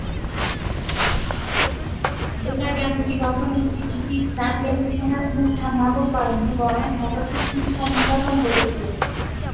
বেতার কেন্দ্রটি কখনই সি-স্প্যান টেলিভিশনের অনুষ্ঠান নকল করে করে নি, বরং সযত্নে অনুষ্ঠান নির্বাচন করেছে।